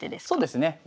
そうですね。